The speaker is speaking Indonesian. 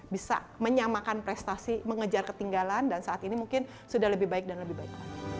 bisa menyamakan prestasi mengejar ketinggalan dan saat ini mungkin sudah lebih baik dan lebih baik